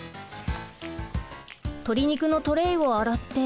鶏肉のトレーを洗って